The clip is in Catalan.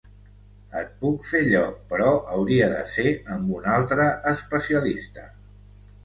Et puc fer lloc, però hauria de ser amb un altre especialista.